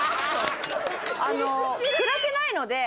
暮らせないので。